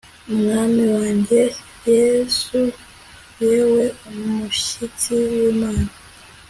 Mwami wanjye Yesu yewe umushyitsi wimana